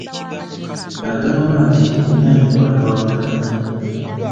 Agamba nti byonna yabikola lwa butamanya.